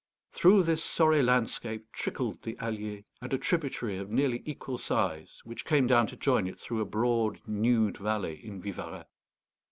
Through this sorry landscape trickled the Allier and a tributary of nearly equal size, which came down to join it through a broad nude valley in Vivarais.